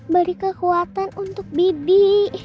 beri kekuatan untuk bibi